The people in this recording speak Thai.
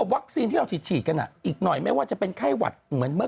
วัคซีนจะดื้อ